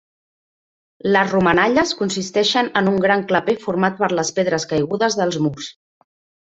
Les romanalles consisteixen en un gran claper format per les pedres caigudes dels murs.